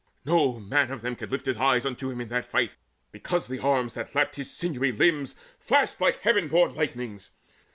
No man of them Could lift his eyes unto him in that fight, Because the arms that lapped his sinewy limbs Flashed like the heaven born lightnings.